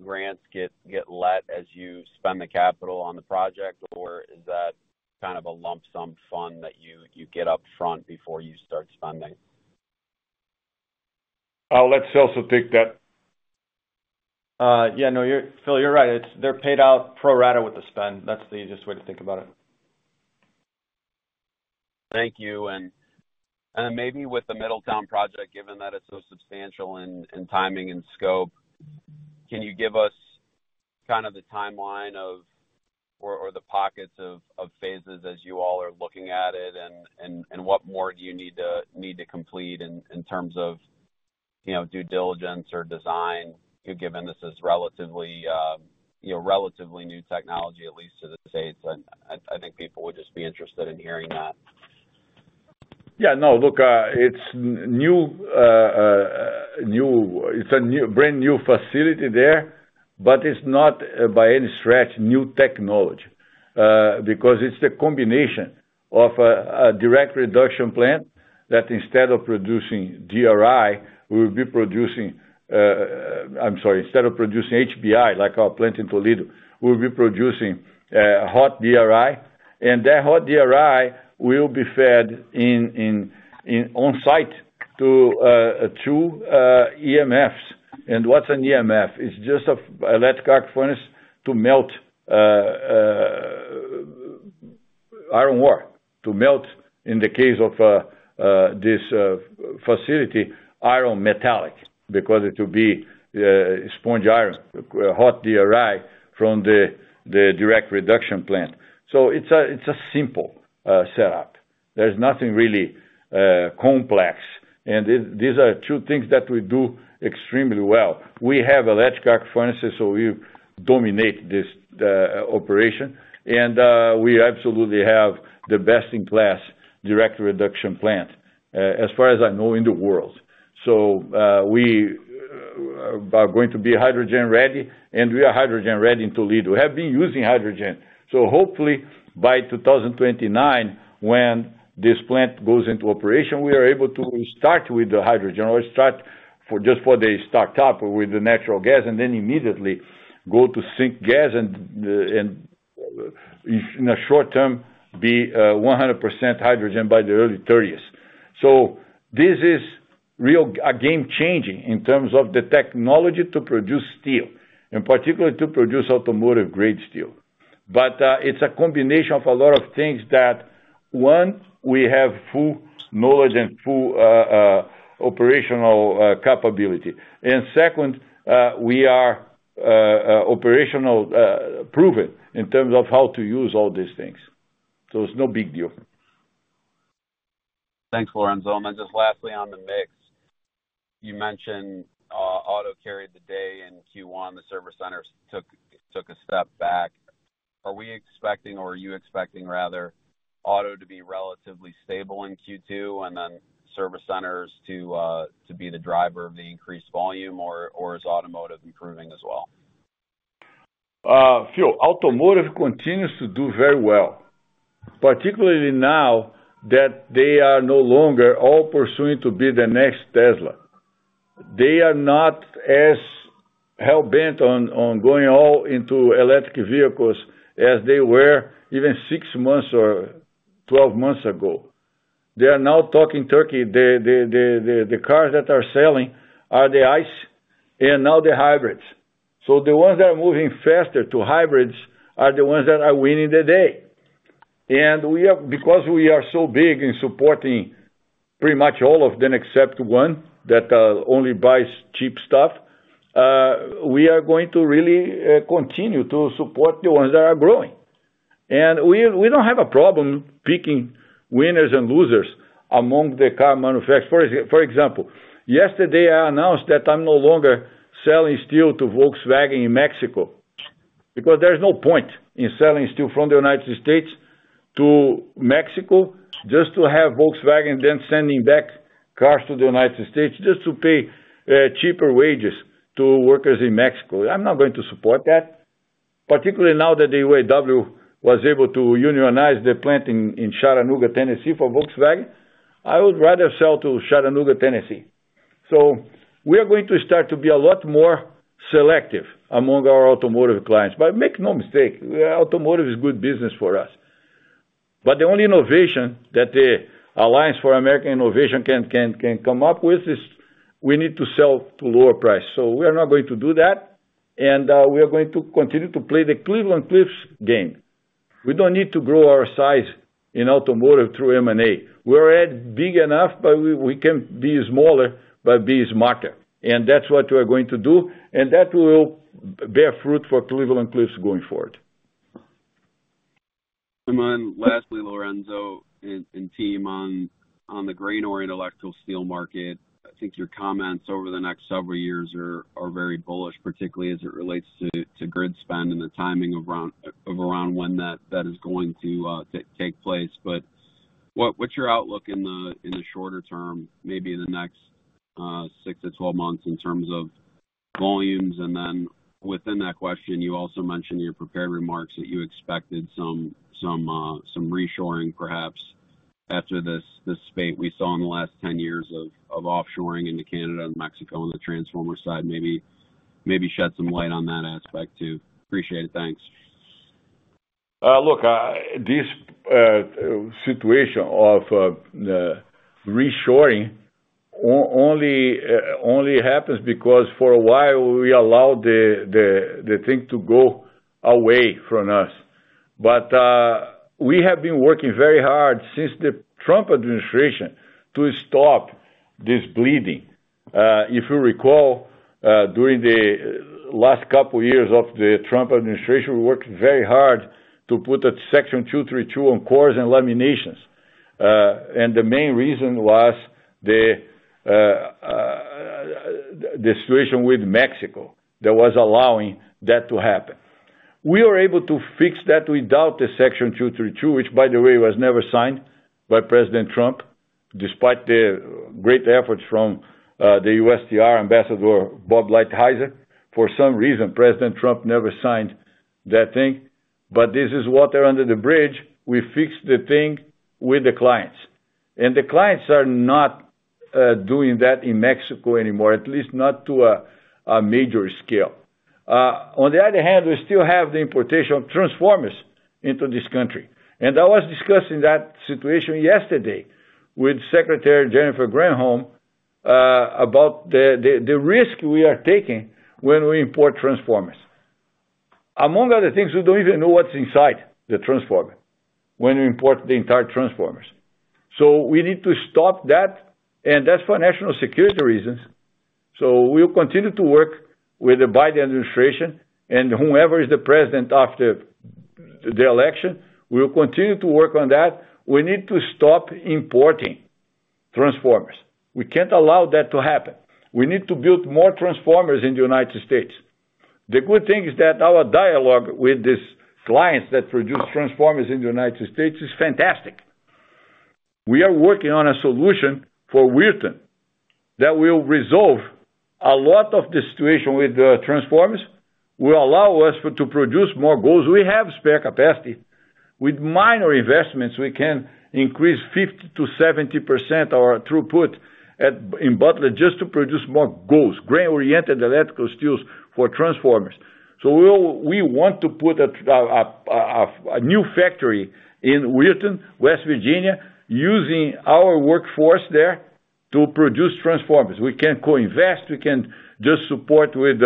grants get let as you spend the capital on the project, or is that kind of a lump sum fund that you get upfront before you start spending? Let Celso take that. Yeah, no, Phil, you're right. They're paid out pro rata with the spend. That's the easiest way to think about it. Thank you. And then maybe with the Middletown project, given that it's so substantial in timing and scope, can you give us kind of the timeline or the pockets of phases as you all are looking at it, and what more do you need to complete in terms of due diligence or design, given this is relatively new technology, at least to the states? I think people would just be interested in hearing that. Yeah, no, look, it's a brand new facility there, but it's not by any stretch new technology because it's a combination of a direct reduction plant that instead of producing DRI, we will be producing—I'm sorry, instead of producing HBI, like our plant in Toledo, we'll be producing hot DRI. And that hot DRI will be fed on-site to two EMFs. And what's an EMF? It's just an electric arc furnace to melt iron ore, to melt, in the case of this facility, iron metallic because it will be sponge iron, hot DRI from the direct reduction plant. So it's a simple setup. There's nothing really complex. And these are two things that we do extremely well. We have electric arc furnaces, so we dominate this operation. And we absolutely have the best-in-class direct reduction plant, as far as I know, in the world. So we are going to be hydrogen-ready, and we are hydrogen-ready in Toledo. We have been using hydrogen. So hopefully, by 2029, when this plant goes into operation, we are able to start with the hydrogen or start just for the startup with the natural gas and then immediately go to syngas and, in a short term, be 100% hydrogen by the early 2030s. So this is a game-changing in terms of the technology to produce steel, in particular to produce automotive-grade steel. But it's a combination of a lot of things that, one, we have full knowledge and full operational capability. And second, we are operational-proven in terms of how to use all these things. So it's no big deal. Thanks, Lourenco. Then just lastly, on the mix, you mentioned auto carried the day in Q1. The service centers took a step back. Are we expecting, or are you expecting rather, auto to be relatively stable in Q2 and then service centers to be the driver of the increased volume, or is automotive improving as well? Phil, automotive continues to do very well, particularly now that they are no longer all pursuing to be the next Tesla. They are not as hell-bent on going all into electric vehicles as they were even six months or 12 months ago. They are now talking turkey. The cars that are selling are the ICE and now the hybrids. So the ones that are moving faster to hybrids are the ones that are winning the day. And because we are so big in supporting pretty much all of them except one that only buys cheap stuff, we are going to really continue to support the ones that are growing. And we don't have a problem picking winners and losers among the car manufacturers. For example, yesterday, I announced that I'm no longer selling steel to Volkswagen in Mexico because there's no point in selling steel from the United States to Mexico just to have Volkswagen then sending back cars to the United States just to pay cheaper wages to workers in Mexico. I'm not going to support that, particularly now that the UAW was able to unionize the plant in Chattanooga, Tennessee, for Volkswagen. I would rather sell to Chattanooga, Tennessee. So we are going to start to be a lot more selective among our automotive clients. But make no mistake, automotive is good business for us. But the only innovation that the Alliance for American Innovation can come up with is we need to sell to lower price. So we are not going to do that. And we are going to continue to play the Cleveland-Cliffs game. We don't need to grow our size in automotive through M&A. We are already big enough, but we can be smaller but be smarter. And that's what we are going to do. And that will bear fruit for Cleveland-Cliffs going forward. And then lastly, Lourenco and team on the Grain-Oriented Electrical Steel market, I think your comments over the next several years are very bullish, particularly as it relates to grid spend and the timing of around when that is going to take place. But what's your outlook in the shorter term, maybe in the next 6-12 months, in terms of volumes? And then within that question, you also mentioned in your prepared remarks that you expected some reshoring, perhaps, after this spate we saw in the last 10 years of offshoring into Canada and Mexico on the transformer side. Maybe shed some light on that aspect too. Appreciate it. Thanks. Look, this situation of reshoring only happens because for a while, we allowed the thing to go away from us. But we have been working very hard since the Trump administration to stop this bleeding. If you recall, during the last couple of years of the Trump administration, we worked very hard to put Section 232 on cores and laminations. The main reason was the situation with Mexico that was allowing that to happen. We were able to fix that without the Section 232, which, by the way, was never signed by President Trump, despite the great efforts from the USTR Ambassador Bob Lighthizer. For some reason, President Trump never signed that thing. But this is water under the bridge. We fixed the thing with the clients. The clients are not doing that in Mexico anymore, at least not to a major scale. On the other hand, we still have the importation of transformers into this country. I was discussing that situation yesterday with Secretary Jennifer Granholm about the risk we are taking when we import transformers. Among other things, we don't even know what's inside the transformer when we import the entire transformers. We need to stop that, and that's for national security reasons. We will continue to work with the Biden administration and whoever is the president after the election. We will continue to work on that. We need to stop importing transformers. We can't allow that to happen. We need to build more transformers in the United States. The good thing is that our dialogue with these clients that produce transformers in the United States is fantastic. We are working on a solution for Weirton that will resolve a lot of the situation with the transformers. Will allow us to produce more GOES. We have spare capacity. With minor investments, we can increase 50%-70% our throughput in Butler just to produce more GOES, grain-oriented electrical steels for transformers. So we want to put a new factory in Weirton, West Virginia, using our workforce there to produce transformers. We can co-invest. We can just support with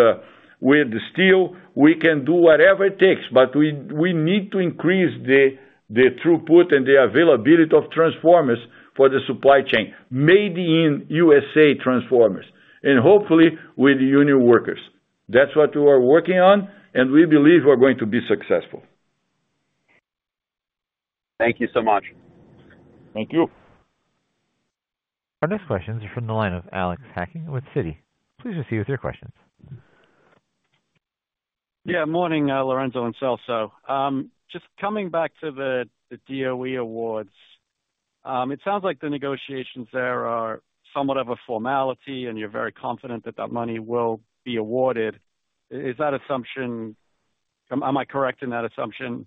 steel. We can do whatever it takes. But we need to increase the throughput and the availability of transformers for the supply chain, made in USA transformers, and hopefully with the union workers. That's what we are working on, and we believe we're going to be successful. Thank you so much. Thank you. Our next questions are from the line of Alex Hacking with Citi. Please proceed with your questions. Yeah, morning, Lourenco and Celso. Just coming back to the DOE awards, it sounds like the negotiations there are somewhat of a formality, and you're very confident that that money will be awarded. Is that assumption? Am I correct in that assumption?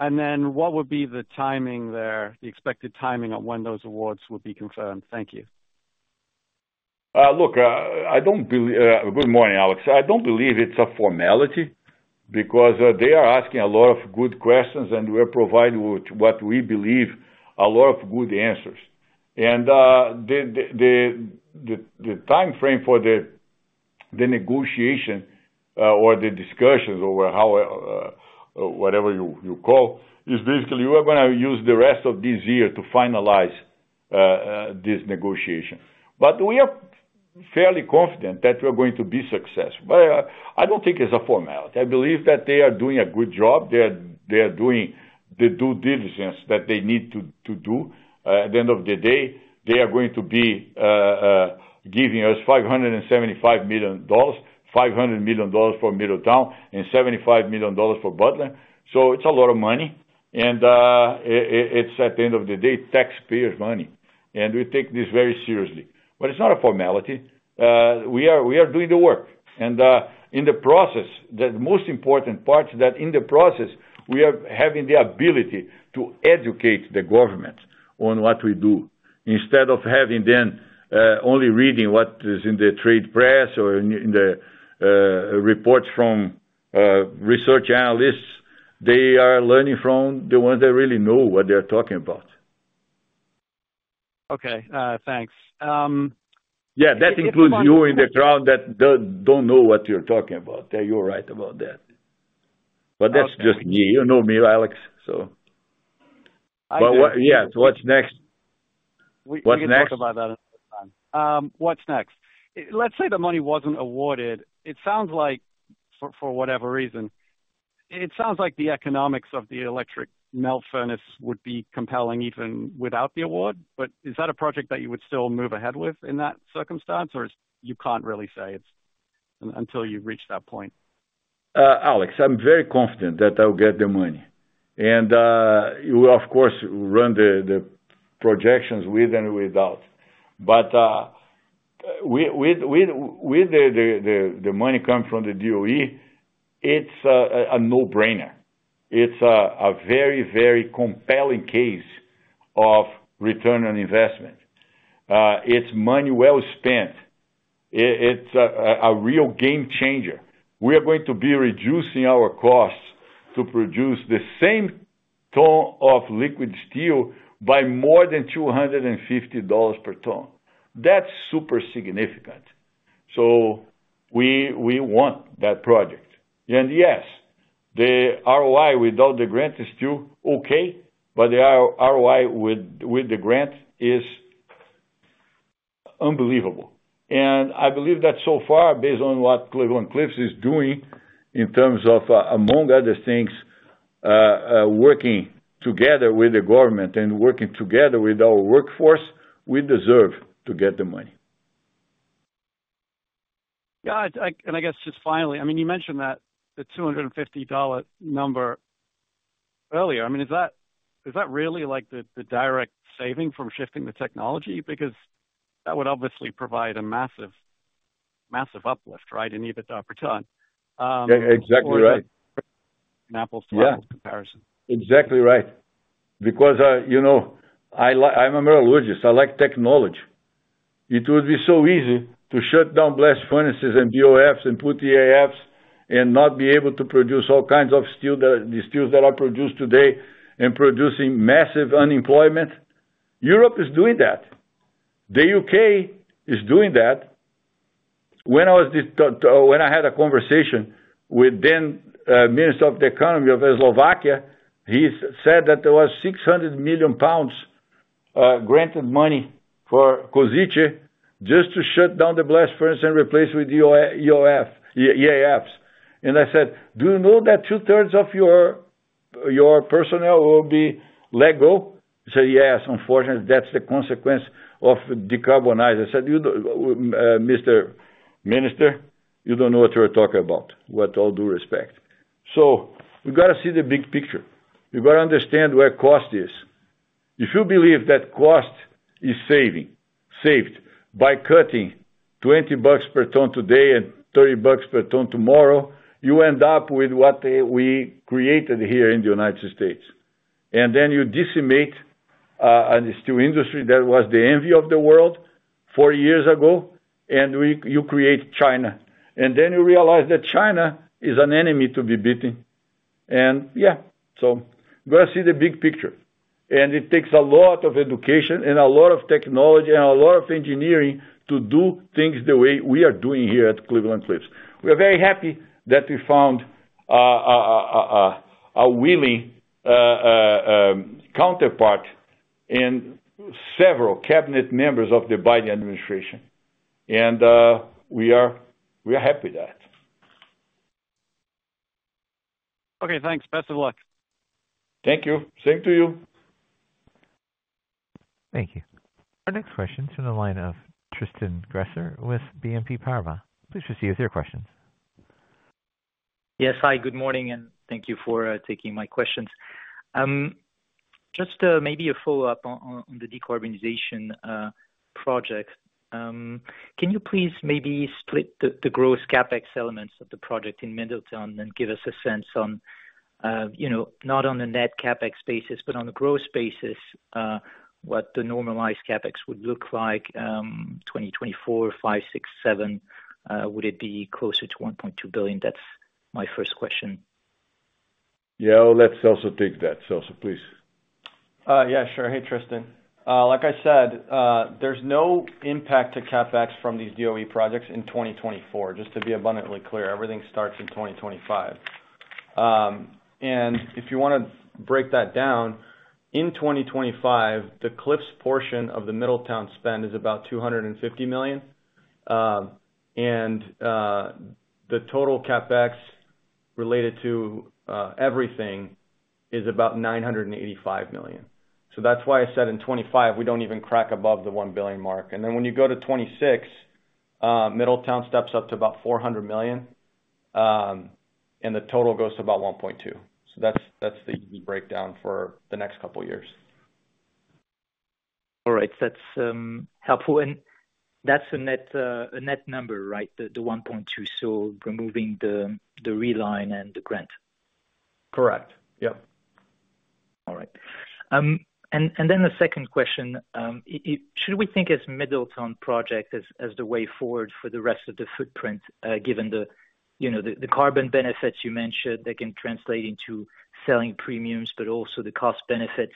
And then what would be the timing there, the expected timing on when those awards would be confirmed? Thank you. Look, good morning, Alex. I don't believe it's a formality because they are asking a lot of good questions, and we are providing what we believe a lot of good answers. The timeframe for the negotiation or the discussions or whatever you call it is basically we are going to use the rest of this year to finalize this negotiation. But we are fairly confident that we are going to be successful. But I don't think it's a formality. I believe that they are doing a good job. They are doing the due diligence that they need to do. At the end of the day, they are going to be giving us $575 million, $500 million for Middletown and $75 million for Butler. So it's a lot of money. And it's, at the end of the day, taxpayers' money. And we take this very seriously. But it's not a formality. We are doing the work. In the process, the most important part is that in the process, we are having the ability to educate the government on what we do instead of having them only reading what is in the trade press or in the reports from research analysts. They are learning from the ones that really know what they are talking about. Okay, thanks. Yeah, that includes you in the crowd that don't know what you're talking about. You're right about that. But that's just me. You know me, Alex, so. But yeah, what's next? We can talk about that another time. What's next? Let's say the money wasn't awarded. It sounds like, for whatever reason, it sounds like the economics of the electric melting furnace would be compelling even without the award. But is that a project that you would still move ahead with in that circumstance, or you can't really say until you've reached that point? Alex, I'm very confident that I'll get the money. And we, of course, run the projections with and without. But with the money coming from the DOE, it's a no-brainer. It's a very, very compelling case of return on investment. It's money well spent. It's a real game changer. We are going to be reducing our costs to produce the same ton of liquid steel by more than $250 per ton. That's super significant. So we want that project. And yes, the ROI without the grant is still okay, but the ROI with the grant is unbelievable. And I believe that so far, based on what Cleveland-Cliffs is doing in terms of, among other things, working together with the government and working together with our workforce, we deserve to get the money. Yeah, and I guess just finally, I mean, you mentioned that the $250 number earlier. I mean, is that really the direct saving from shifting the technology? Because that would obviously provide a massive uplift, right, in either dollar per ton. Exactly right. An apples-to-apples comparison. Exactly right. Because I'm a metallurgist. I like technology. It would be so easy to shut down blast furnaces and BOFs and put EAFs and not be able to produce all kinds of steel, the steels that are produced today, and producing massive unemployment. Europe is doing that. The U.K. is doing that. When I had a conversation with then Minister of the Economy of Slovakia, he said that there was 600 million pounds grant money for Košice just to shut down the blast furnace and replace it with EAFs. And I said, "Do you know that two-thirds of your personnel will be let go?" He said, "Yes, unfortunately. That's the consequence of decarbonizing." I said, "Mr. Minister, you don't know what you're talking about, with all due respect." So we got to see the big picture. You got to understand where cost is. If you believe that cost is saved by cutting $20 per ton today and $30 per ton tomorrow, you end up with what we created here in the United States. Then you decimate a steel industry that was the envy of the world four years ago, and you create China. Then you realize that China is an enemy to be beaten. And yeah, so you got to see the big picture. And it takes a lot of education and a lot of technology and a lot of engineering to do things the way we are doing here at Cleveland-Cliffs. We are very happy that we found a willing counterpart and several cabinet members of the Biden administration. And we are happy that. Okay, thanks. Best of luck. Thank you. Same to you. Thank you. Our next question is from the line of Tristan Gresser with BNP Paribas. Please proceed with your questions. Yes, hi. Good morning, and thank you for taking my questions. Just maybe a follow-up on the decarbonization project. Can you please maybe split the gross CapEx elements of the project in Middletown and give us a sense on, not on a net CapEx basis, but on a gross basis, what the normalized CapEx would look like 2024, 2025, 2026, 2027? Would it be closer to $1.2 billion? That's my first question. Yeah, let's also take that, Celso, please. Yeah, sure. Hey, Tristan. Like I said, there's no impact to CapEx from these DOE projects in 2024. Just to be abundantly clear, everything starts in 2025. And if you want to break that down, in 2025, the Cliffs portion of the Middletown spend is about $250 million. And the total CapEx related to everything is about $985 million. So that's why I said in 2025, we don't even crack above the $1 billion mark. And then when you go to 2026, Middletown steps up to about $400 million, and the total goes to about $1.2 billion. So that's the easy breakdown for the next couple of years. All right. That's helpful. And that's a net number, right, the $1.2, so removing the reline and the grant? Correct. Yep. All right. Then the second question, should we think of the Middletown project as the way forward for the rest of the footprint, given the carbon benefits you mentioned that can translate into selling premiums, but also the cost benefits?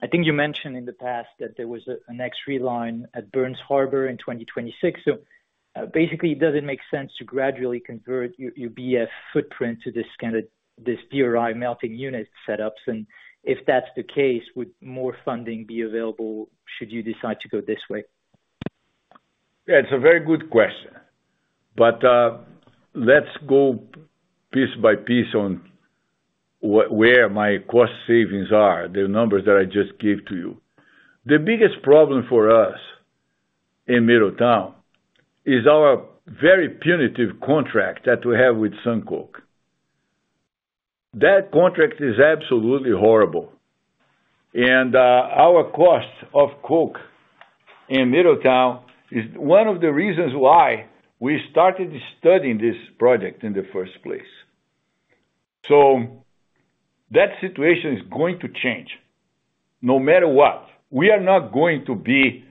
I think you mentioned in the past that there was a next reline at Burns Harbor in 2026. So basically, does it make sense to gradually convert your BF footprint to these DRI melting unit setups? And if that's the case, would more funding be available should you decide to go this way? Yeah, it's a very good question. But let's go piece by piece on where my cost savings are, the numbers that I just gave to you. The biggest problem for us in Middletown is our very punitive contract that we have with SunCoke. That contract is absolutely horrible. And our cost of coke in Middletown is one of the reasons why we started studying this project in the first place. So that situation is going to change no matter what. We are not going to be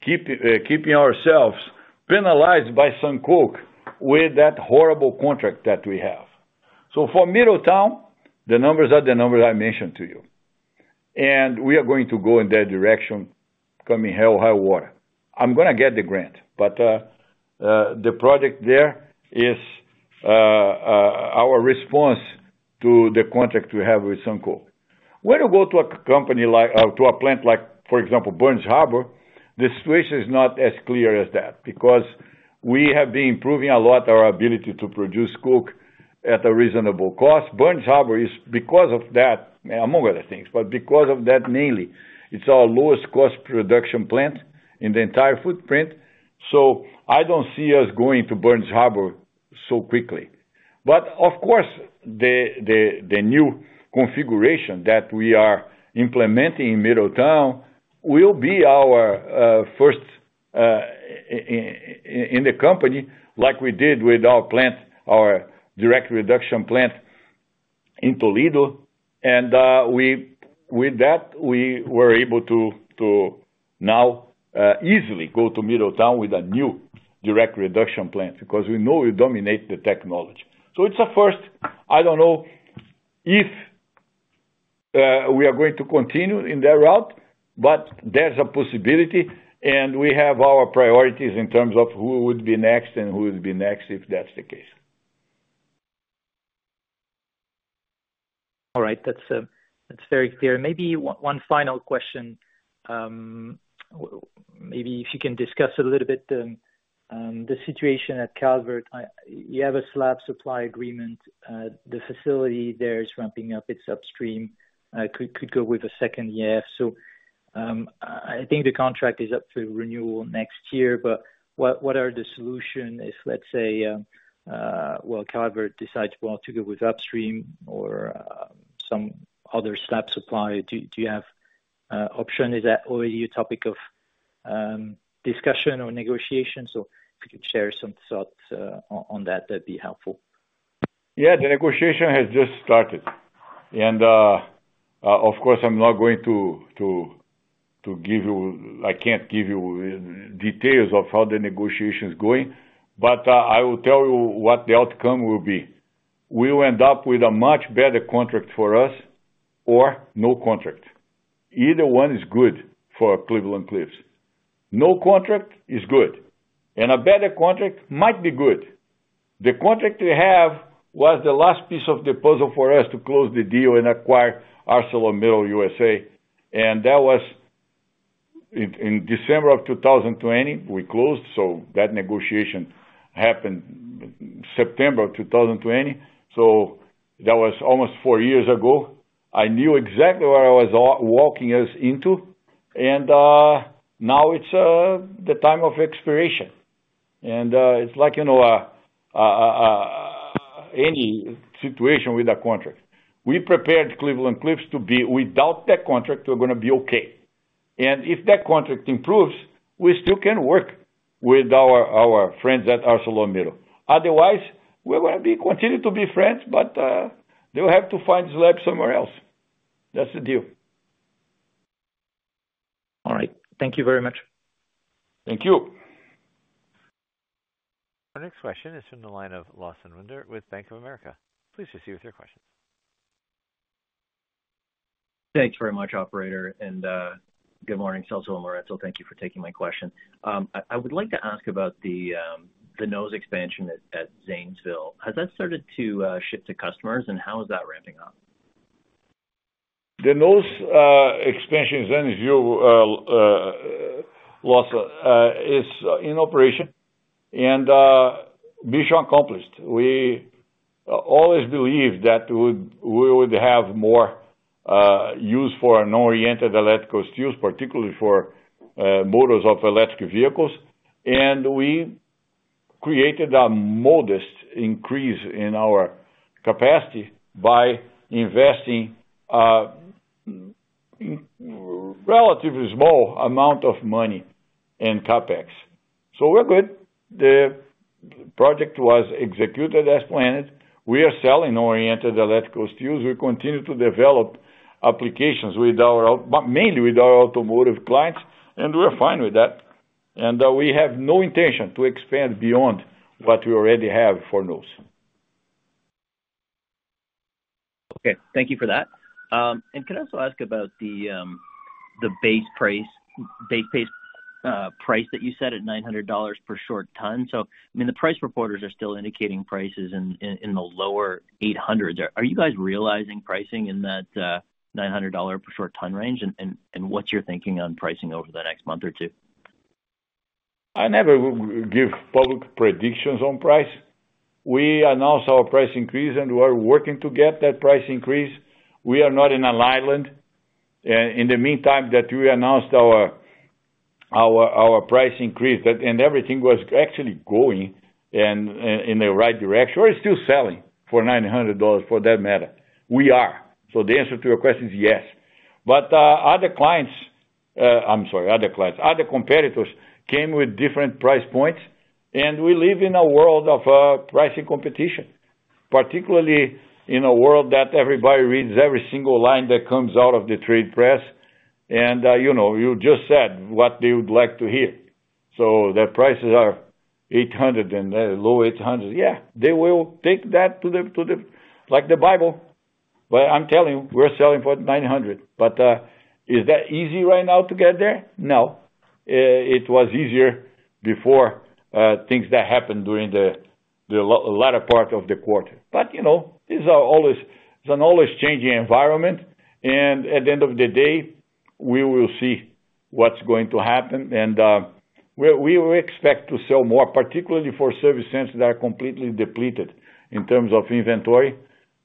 keeping ourselves penalized by SunCoke with that horrible contract that we have. So for Middletown, the numbers are the numbers I mentioned to you. And we are going to go in that direction, come hell or high water. I'm going to get the grant, but the project there is our response to the contract we have with SunCoke. When you go to a plant like, for example, Burns Harbor, the situation is not as clear as that because we have been improving a lot our ability to produce coke at a reasonable cost. Burns Harbor is, because of that, among other things, but because of that mainly, it's our lowest cost production plant in the entire footprint. So I don't see us going to Burns Harbor so quickly. But of course, the new configuration that we are implementing in Middletown will be our first in the company, like we did with our plant, our direct reduction plant in Toledo. And with that, we were able to now easily go to Middletown with a new direct reduction plant because we know we dominate the technology. So it's a first. I don't know if we are going to continue in that route, but there's a possibility. We have our priorities in terms of who would be next and who would be next if that's the case. All right. That's very clear. Maybe one final question. Maybe if you can discuss a little bit the situation at Calvert. You have a slab supply agreement. The facility there is ramping up. It's upstream. Could go with a second EAF. So I think the contract is up for renewal next year. But what are the solutions if, let's say, well, Calvert decides, well, to go with upstream or some other slab supply? Do you have an option? Is that already a topic of discussion or negotiation? So if you could share some thoughts on that, that'd be helpful. Yeah, the negotiation has just started. Of course, I'm not going to give you. I can't give you details of how the negotiation is going. But I will tell you what the outcome will be. We will end up with a much better contract for us or no contract. Either one is good for Cleveland-Cliffs. No contract is good. A better contract might be good. The contract we have was the last piece of the puzzle for us to close the deal and acquire ArcelorMittal USA. That was in December of 2020. We closed. That negotiation happened in September of 2020. That was almost four years ago. I knew exactly what I was walking us into. Now it's the time of expiration. It's like any situation with a contract. We prepared Cleveland-Cliffs to be without that contract. We're going to be okay. If that contract improves, we still can work with our friends at ArcelorMittal. Otherwise, we're going to continue to be friends, but they'll have to find slabs somewhere else. That's the deal. All right. Thank you very much. Thank you. Our next question is from the line of Lawson Winder with Bank of America. Please proceed with your questions. Thanks very much, operator. Good morning, Celso and Lourenco. Thank you for taking my question. I would like to ask about the NOES expansion at Zanesville. Has that started to shift to customers, and how is that ramping up? The NOES expansion in Zanesville, Lawson, is in operation. Mission accomplished. We always believed that we would have more use for non-oriented electrical steels, particularly for motors of electric vehicles. We created a modest increase in our capacity by investing a relatively small amount of money in CapEx. We're good. The project was executed as planned. We are selling non-oriented electrical steels. We continue to develop applications mainly with our automotive clients, and we're fine with that. We have no intention to expand beyond what we already have for NOES. Okay. Thank you for that. And can I also ask about the base price that you set at $900 per short ton? So, I mean, the price reporters are still indicating prices in the lower $800. Are you guys realizing pricing in that $900 per short ton range? And what's your thinking on pricing over the next month or two? I never give public predictions on price. We announced our price increase, and we are working to get that price increase. We are not in an island. In the meantime that we announced our price increase, and everything was actually going in the right direction, we're still selling for $900 for that matter. We are. So the answer to your question is yes. But other clients I'm sorry, other clients, other competitors came with different price points. And we live in a world of pricing competition, particularly in a world that everybody reads every single line that comes out of the trade press. And you just said what they would like to hear. So the prices are $800 and low $800. Yeah, they will take that to the like the Bible. But I'm telling you, we're selling for $900. But is that easy right now to get there? No. It was easier before things that happened during the latter part of the quarter. But it's an always-changing environment. And at the end of the day, we will see what's going to happen. And we expect to sell more, particularly for service centers that are completely depleted in terms of inventory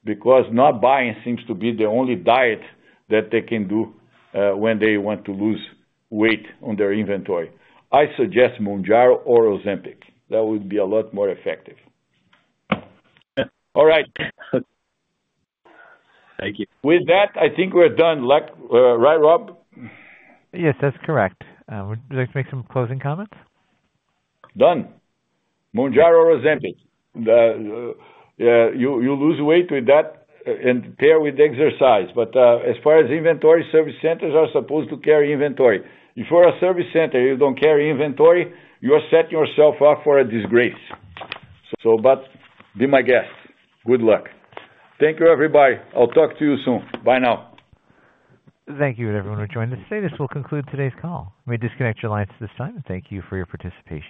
because not buying seems to be the only diet that they can do when they want to lose weight on their inventory. I suggest Mounjaro or Ozempic. That would be a lot more effective. All right. Thank you. With that, I think we're done. Right, Rob? Yes, that's correct. Would you like to make some closing comments? Done. Mounjaro or Ozempic. You lose weight with that and pair with exercise. But as far as inventory, service centers are supposed to carry inventory. If you're a service center and you don't carry inventory, you're setting yourself up for a disgrace. But be my guest. Good luck. Thank you, everybody. I'll talk to you soon. Bye now. Thank you to everyone who joined us today. This will conclude today's call. Let me disconnect your lines this time and thank you for your participation.